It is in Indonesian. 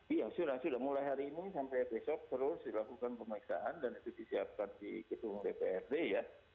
iya sudah mulai hari ini sampai besok terus dilakukan pemeriksaan dan itu disiapkan di gedung dprd ya